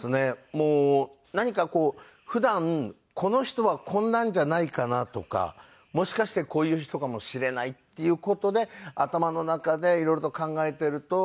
もう何かこう普段この人はこんなんじゃないかな？とかもしかしてこういう人かもしれないっていう事で頭の中で色々と考えていると。